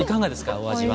お味は。